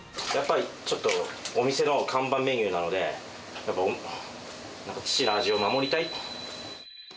やっぱりちょっと、お店の看板メニューなんで、やっぱ、なんか父の味を守りたい。